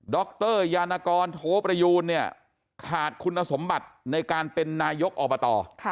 รยานกรโทประยูนเนี่ยขาดคุณสมบัติในการเป็นนายกอบต